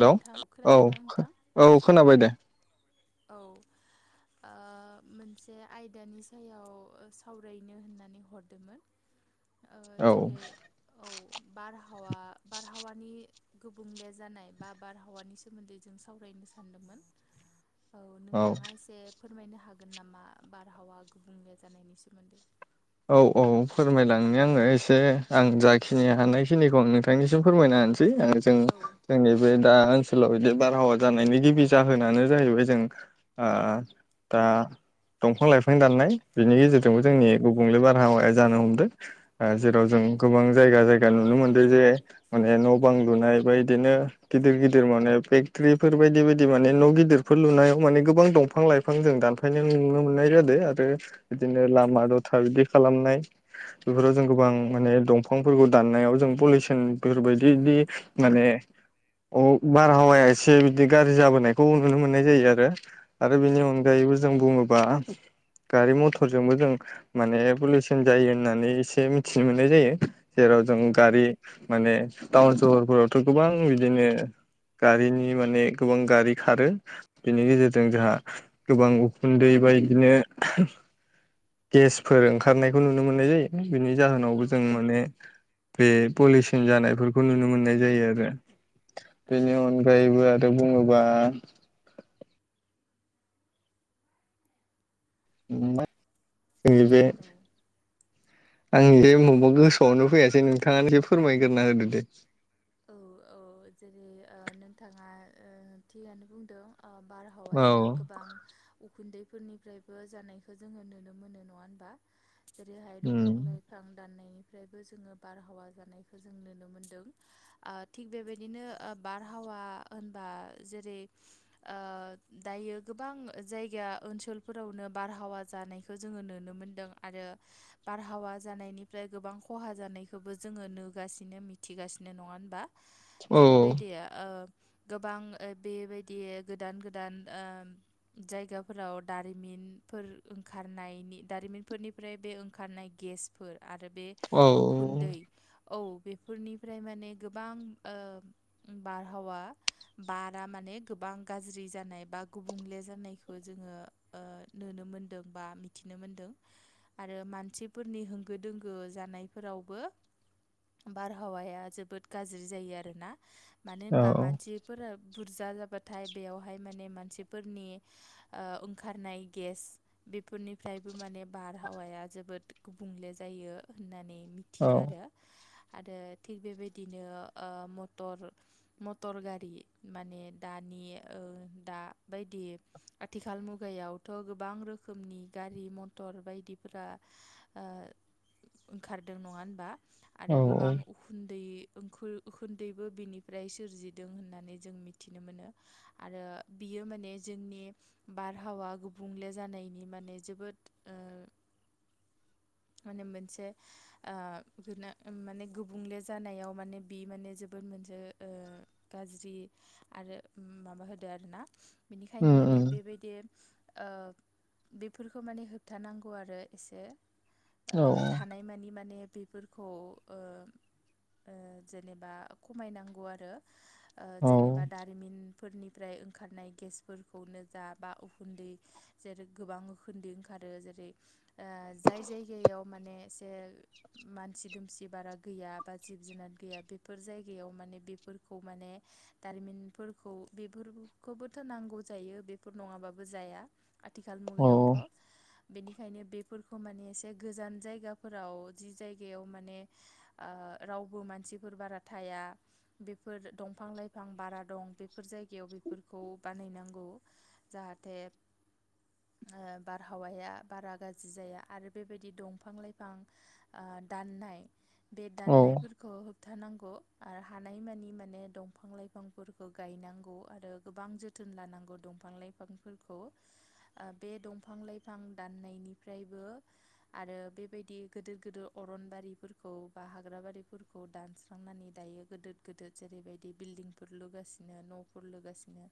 Hello नोंथां औ खोनादोंना नोंथां औ खोनाबाय दे। औ। ओ मोनसे आयदानि सायाव सावरायनो होननानै हरदोमोन। ओ औ जेरै औ बारहावा बारहावानि गुबुंले जानाय बा बारहावानि सोमोन्दै जों सावरायनो सानदोंमोन। औ नोंथाङा एसे फोरमायनो हागोन नामा बारहावा गुबुंले जानायनि सोमोन्दै। औ औ फोरमायलांनि आङो एसे आं औ जाखिनि हानाय खिनिखौ नोंथांनिसिम फोरमायना होनसै आरो जों औ जोंनि बे दा सोलाव बिदि बारहावा जानायनि गिबि जाहोनानो जाहैबाय जों ओ दा दंफां लाइफां दाननाय। बिनि औ गेजेरजोंबो जोंनि गुबुंले बारहावाया जानो हमदों ओ औ जेराव जों गोबां जायगा जायगा नुनो मोन्दों जे माने न' बां लुनाय बा इदिनो गिदिर गिदिर माने बे ख्रिफोर बायदि बायदि माने न' गिदिरफोर लुनायाव माने गोबां दंफां लाइफां जों दानफायनाय नुनो मोननाय जादों। आरो बिदिनो लामा द फाबिदि खालामनाय बेफोराव जों गोबां माने दंफांफोरखौ दाननायाव जों पलिउसन बेफोरबायदिदि माने अ बारहावाया एसे बिदि गाज्रि जाबोनायखौ नुनो मोननाय जायो आरो। आरो औ बेनि अनगायैबो जों बुङोबा गारि मथरजोंबो जों माने पलिउसन जायो होननानै एसे मिथिनो मोननाय जायो। जेराव जों गारि माने टाउन सहरफोरावथ' गोबां बिदिनो गारिनि माने गोबां गारि खारो बेनि गेजेरजों जोंहा गोबां उखुन्दै बायदिनो [inaudible] गेसफोर ओंखारनायखौ नुनो मोननाय जायो बिनि औ जाहोनावबो जों माने बे पलिउसन जानायफोरखौ नुनो मोननाय जायो आरो बेनि अनगायैबो आरो ओ बुङोबा औ [unintelligible] आंनि जे बबेबा गोसोआवनो फैयाासै नोंथाङानो ए फोरमायग्रोना होदो दे औ औ जेरै ओ नोंथाङा ओ थिगानो बुंदों ओ औ बारहावाया गोबां उखुन्दैफोरनिफ्रायबो जानायखौ जोङो नुनो मोनो नङा होनबा जेरैहाय दंफां लाइफां दाननाय फ्रायबो जोङो बारहावा जानायखौ जों नुनो मोनदों आ थिग बेबायदिनो ओ बारहावा होनबा जेरै ओ दायो दायो गोबां जायगा ओनसोलफोरावनो बारहावा जानायखौ जोङो नुनो मोनदों आरो बारहावा जानायनिफ्राय गोबां खहा जानायखौबो जोङो नुगासिनो मिथिगासिनो नङा होन जेरैबायदिओ गोबां ओ बेबायदि गोदान गोदान ओम जायगाफोराव दारिमिन फोर ओंखारनायनि दारिमिनफोरनिफ्राय बे ओंखारनाय गेसफोर आरो बे औ उखुन्दै औ बेफोरनिफ्राय माने गोबां ओ बारहावा बारा माने गोबां गाज्रि जानाय बा बा गुबुंले जानायखौ जोङो ओ नुनो मोनदों बा मिथिनो मोनदों। आरो मानसिफोरनि होंगो दोंगो जानायफोरावबो बारहावाया जोबोद गाज्रि जायो आरोना मानो औ होनबा मानसिफोरा बुरजा जाबाथाय बेयावहाय माने मानसिफोरनि ओ ओंखारनाय गेस बेफोरनिफ्रायबो माने बारहावाया जोबोद गुबुंले जायो होननानै औ मिथियो आरो आरो थिग बेबायदि बिदिनो ओ मटर मटर गारि माने दानि ओ दा दा बायदि आथिखाल मुगायावथ' गोबां रोखोमनि गारि मथर बायदिफोर ओ ओंखारदों नङा होनबा औ आरो गोबां उखुन्दै उखुन्दैबो बिनिफ्राय सोरजिदों होननानै जों मिथिनो मोनो आरो बि बियो माने जोंनि बारहावा गुबुंले जानायनि माने जोबोद ओ [inaudible] माने मोनसे ओ गोना माने गुबुंले जानायाव माने बे माने जोबोद मोनसे [unintelligible] औ बिनिखायनो माने बेबायदि ओ बेफोरखो माने होबथानांगौ आरो एसे औ ओ थानायमानि माने बेफोरखौ ओ ओ जेनेबा खमायनांगौ आरो जेनेबा दारिमिन फोरनिफ्राय ओंखारनाय गेसफोरखौनो जा बा उखुन्दै जेरै गोबां उखुन्दै ओंखार जेरै ओ जाय जायगायाव माने एसे मानसि दुमसि बारा गैया बा जिब जुनार गैया बेफोर जायगायाव माने बेफोरखौ माने दारिमिनफोरखौ बे [unintelligible] खौबोथ' नांगौ जायो बेफोर नङाबाबो जाया आथिखाल औ मुगायावथ' बेनिख बिनिखायनो बेफोरखौ माने एसे गोजान जायगाफोराव जि जायगायाव माने ओ रावबो मानसिफोर बारा थाया बेफोर दंफां लाइफां बारा दं बेफोर जायगायाव फोरखौ बानायनांगौ जाहाथे ओ बारहावाया बारा गाज्रि जाया आरो बेबायदि दंफां लाइफां ओ दाननाय बे औ दाननाय होबथानांगौ आरो हानायमानि माने दंफां लाइफांफोरखौ गायनांगौ आरो गोबां जोथोन लानांगौ दंफां लाइफांफोरखौ ओ बे दंफां लाइफां दाननायनिफ्राय बे आरो बेबायदि गिदिर गिदिर अरन बारिफोरखौ बा हाग्रा बारि फोरखौ दानस्रांनानै दायो गोदिर गोदिर जेरैबायदि बिल्डिंफोर लुगासिनो न'फोर लुगासिनो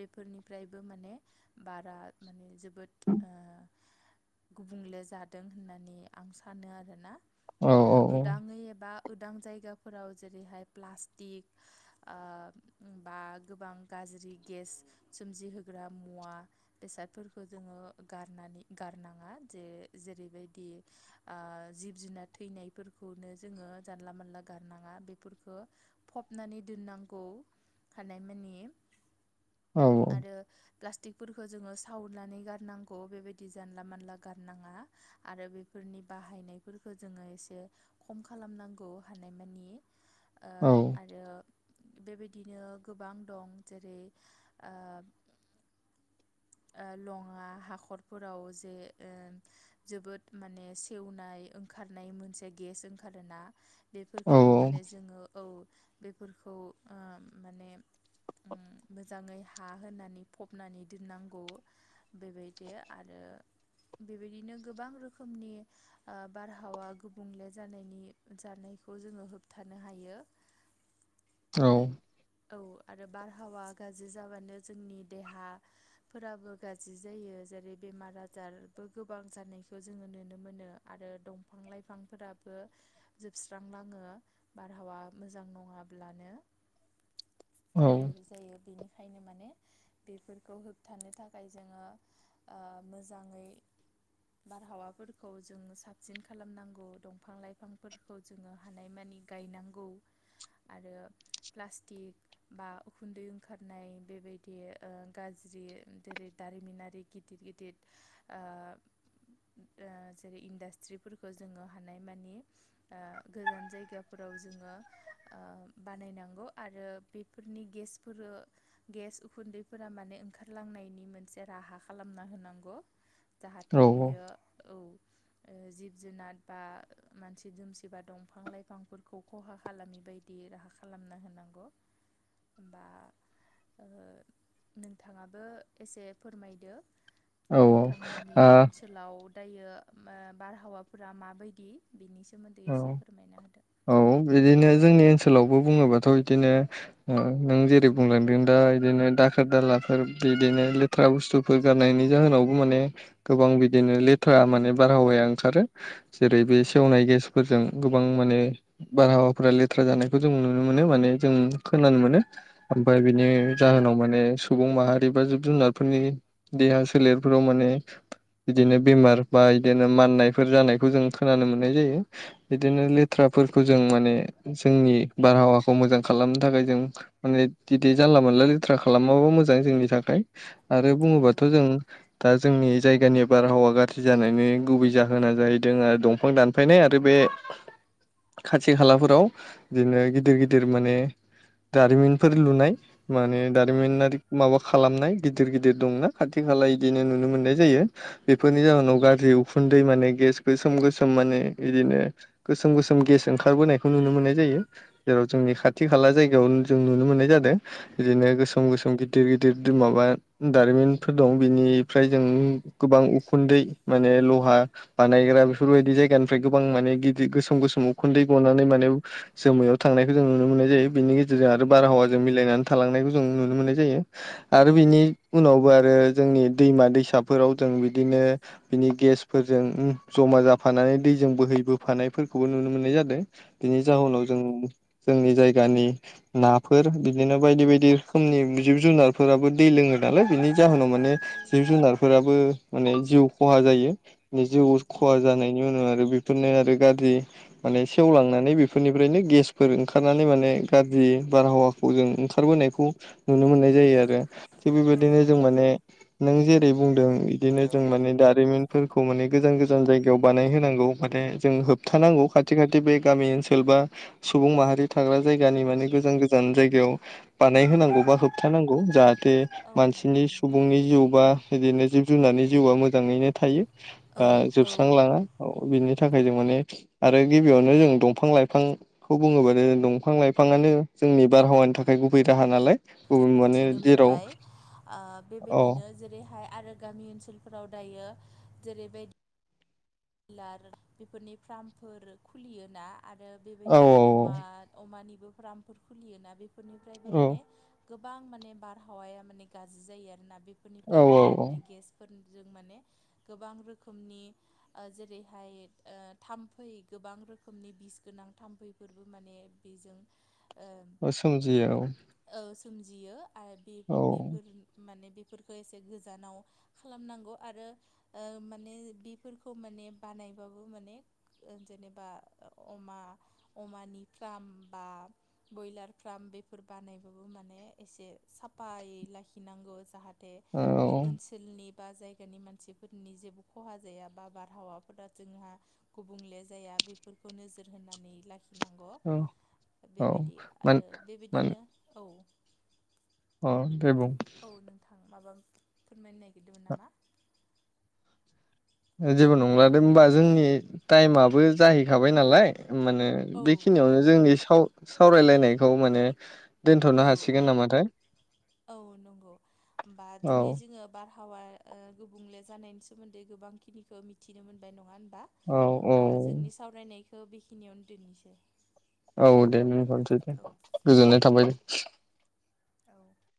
बेफोरनिफ्रायबो माने बारा माने जोबोद ओ गुबुंले जादों होननानै आं सानो आरोना औ आरो उदाङै एबा उदां जायगाफोराव जेरैहाय प्लास्टिक बा ओ गोबां गा ज्रि गेस सोमजिहोग्रा मुवा बेसादफोरखौ जोङो गारनानै गार नाङा जे जेरैबायदि ओ जिब जुनार थैनायफोरखौनो जोङो जानला मानला मोनला गारनाङा बेफोरखौ फबनानै दोननांगौ हानाय मानि आरो प्लास्टिक फोरखो जोङो सावनानै गारनांगौ बेबायदि जानला मानला गारनाङा आरो बेफोरनि बा बाहायनायफोरखौ जोङो एसे खम खालामनांगौ हानायमानि औ आरो बेबायदिनो गोबां दं जेरै ओ ओ लङा हाखरफोराव जे ओ जोबोद माने सेवनाय ओंखारनाय मोनसे गेस ओंखारोना बेफोरखौबो माने जोङो औ बेफोरखौ ओ माने उम मोजाङै हा होनानै फबनानै दोननांगौ बेबायदि आरो बेबायदिनो गोबां रोखोमनि ओ बारहावा गुबुंले जानायनि जानायखौ जोङो होबथानो हायो औ औ आरो बारहावा गाज्रि जाबानो जोंनि देहाफोराबो गाज्रि जायो जेरै बेमार आजारबो गोबां जानायखौ जोङो नुनो मोनो आरो दंफां लाइफांफोरा बो जोबस्रांलाङो बारहावा मोजां नङाब्लानो बेबायदि जायो बेनिखायनो माने बेफोरखौ होबथानो थाखाय जोङो ओ मोजाङै बारहावाफोरखौ जोङो साबसिन खालामनांगौ दंफां लाइफांफोरखौ जोङो हानायमा गायनांगौ आरो प्लास टिक बा उखुन्दै ओंखारनाय बेबायदि ओ गाज्रि जेरै दारिमिनारि [unintelligible] गिदिर गिदिर ओ ओ जेरै इन्डास्ट्रिफोरखौ जोङो हानाय मानि ओ गोजान जायगाफोराव जोङो ओ बानायनांगौ आरो बेफोरनि गेसफोरो गेस उखुन्दैफोरा माने ओंखारलांनायनि मोनसे रा राहा खालामना होनांगौ जाहाथे बियो औ ओ जिब जुनार बा मानसि दुमसि बा दंफां लाइफांफोरखौ खहा खालामि बायदि राहा खालामना होनांगौ होमबा ओ नोंथाङाबो एसे फोरमायदो औ नोंथांमोननि ओनसोलाव दायो ओ बारहावाफोरा माबायदि बेनि सोमोन्दै औ एसे फोरमायना होदो औ बिदिनो जोंनि ओनसोलावबो बुङोबाथ' बिदिनो ओ नों जेरै बुंलांदों दा बिदिनो दाखोर दालाफोर बिदिनो लेथ्रा बुस्थुफोर गारनायनि जाहोनावबो माने गोबां बिदिनो लेथ्रा माने बारहावाया ओंखारो जेरै बे औ सेवनाय गेस जों गोबां माने बारहावाफोरा लेथ्रा जानायखौ जों नुनो मोनो माने जों खोनानो मोनो ओमफ्राय बिनि औ जाहोनाव माने सुबुं माहारि बा जिब जुनारफोरनि देहा सोलेरफोराव माने बिदिनो बेमार बा इदिनो माननायफोर जानायखौ जों खोनानो मोननाय जायो। बिदिनो औ लेथ्राफोरखौ जों माने जोंनि बारहावाखौ मोजां खालामनो थाखाय जों माने बिदि जानला मोनला ले- ट्रा खालामाबो मोजां जोंनि थाखाय आरो औ बुङोबाथ' जों दा जोंनि जायगानि बारहावा गाज्रि जानायनि गुबै जाहोना जाहैदों आरो दंफां दानफायनाय बे-बे खाथि खालाफोराव बिदिनो गिदिर-गिदिर माने दारिमिनफोर लुनाय माने दारिमिनारि माबा खालामनाय गिदिर-गिदिर दंना खा थि खालाव औ इदिनो नुनो मोननाय जायो बेफोरनि जाहोनाव गाज्रि उखुन्दै माने गेस गोसोम-गोसोम माने बिदिनो गोसोम-गोसोम गेस ओंखारबोनायखौ नुनो मोननाय जायो। जेराव जोंनि खाथि खाला जायगायाव जों नुनो मोननाय जादों। बिदिनो गोसोम-गोसोम गिदिर-गिदिर माबा दारिमिनफोर दं बिनिफ्राय जों गोबां उखुन्दै माने लहा बानायग्रा बेफोरबायदि जायगा फ्राय गोबां माने गिदिर गोसोम-गोसोम उखुन्दै गनानै माने जोमैयाव थांनायखौ जों नुनो मोननाय जायो बेनि जों आरो बारहावाजों मिलायनानै थालांनायखौ जों नुनो मोननाय जायो आरो बिनि उनावबो आरो जोंनि दैमा दैसाफोराव जों बिदिनो बिनि गेसफोरजों उम जमा जाफानानै। दैजों बोहैबोफानायफोरखौबो नुनो मोननाय जादों बेनि जाहोनाव जों जोंनि जायगानि नाफोर बिदिनो बायदि-बायदि रोखोमनि जिब जुनारफोराबो दै लोङो नालाय बिनि। जाहोनाव माने औ जिब जुनारफोराबो माने जिउ खहा जायो। नि जिउ खहा औ जानायनि उनाव आरो बेफोरनो आरो गाज्रि माने सेवलांनानै बेफोरनिफ्रायनो गेसफोर ओंखारनानै माने गाज्रि बारहावाखौ जों ओंखारबोनायखौ नुनो मोननाय जायो आरो। थिग औ बेबायदिनो जों नंगौ माने नों जेरै बुंदों बिदिनो जों माने दारिमिन। फोरखौ माने गोजान-गोजान जायगायाव बानायहोनांगौ माने जों औ होबथानांगौ खाथि-खाथि बे गामि ओन- सोलबा सुबुं माहारि थाग्रा जायगानि औ माने गोजान-गोजान जायगायाव औ बानायहोनांगौ बा होबथानांगौ जाहाथे औ मानसिनि नंगौ नोंथां सुबुंनि जिउ बा बिदिनो। जिब जुनार जिउआ मोजाङैनो थायो औ बा औ जोबस्रांलाङा औ बिनि थाखाय जों माने आरो गिबियावनो जों दंफां लाइफांखौ बुङोबा दंफां लाइफाङा- नो जोंनि बारहावानि थाखाय गुबै राहा नालाय गुबुन माने मिथिनो जेराव मोनबाय अ औ बेबायदिनो जेरैहाय आरो गामि ओनसोलफोराव दायो जेरैबायदि लार बेफोरनि फार्मफोर खुलियोना। आरो औ बेबायदि अमा-अमानिबो फ्रामफोर खुलियोना बेफोरनिफ्रायबो औ माने। गोबां माने बारहावाया माने गाज्रि जायो आरोना बेफोरनिफ्राय औ औ औ ओंखारनाय गेसफोर जों माने गोबां रोखोमनि अ जेरैहाय अ थाम्फै गोबां रोखोमनि बिस गोनां थाम्फैफोरबो माने बे- जों अ सोमजियो औ सोमजियो आरो बे-बेफोर माने बे- फोरखौ एसे गोजानाव खालामनांगौ आरो अ माने बेफोर- खौ माने बानायबाबो माने जेनेबा अमा-अमानि फ्राम बा बयलार फ्राम बेफोर बानायबाबो माने एसे साफायै लाखि नांगौ जाहाथे औ औ ओ-ओनसोलनि बा जायगानि मानसिफोरनि जेबो खहा जाया बा। बारहावाफोरा जोंहा गुबुंले जाया बेफोरखौ नोजोर होनानै लाखि नांगौ औ औ बेबायदि मान आरो मान बेबायदिनो औ अ दे बुं। औ नोंथां माबा फोरमायनो नागिरदोंमोन नामा? जेबो औ नंलादे होमबा जोंनि टाइमाबो जाहै- खाबाय नालाय माने औ औ बेखिनियावनो जोंनि साव- सावरायलायनायखौ माने दोनथ'नो औ हासिगोन नामाथाय औ नंगौ होमबा औ दिनै जोङो बार हावा ओ गुबुंले जानायनि सोमोन्दै गोबांखिनिखौ मिथिनो मोनबाय नङा होनबा? औ औ थ' बेखिनियावनो दोननोसै। औ दे नोंथां दोनथ'नोसै दे औ गोजोननाय थाबाय दे। औ